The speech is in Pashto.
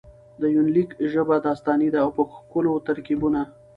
د يونليک ژبه داستاني ده او په ښکلو ترکيبونه.